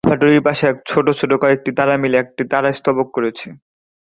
আলফা-টরির পাশে ছোট ছোট কয়েকটি তারা মিলে একটি তারা স্তবক সৃষ্টি করেছে।